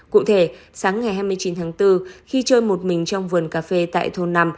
cụ thể sáng ngày hai mươi chín tháng bốn khi chơi một mình trong vườn cà phê tại thôn năm